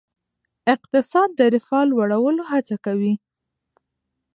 اقتصاد د رفاه لوړولو هڅه کوي.